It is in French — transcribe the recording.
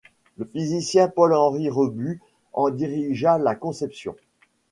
Le physicien Paul-Henri Rebut en dirigea la conception.